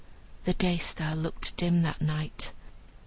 The Day star looked dim that night.